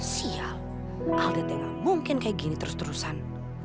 sial alda gak mungkin kayak gini terus terusan